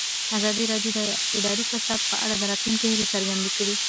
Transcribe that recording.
ازادي راډیو د اداري فساد په اړه د راتلونکي هیلې څرګندې کړې.